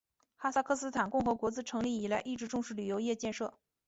哈萨克斯坦共和国自成立以来一直重视旅游业建设。